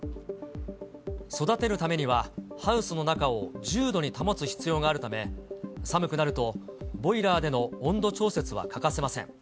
育てるためには、ハウスの中を１０度に保つ必要があるため、寒くなると、ボイラーでの温度調節は欠かせません。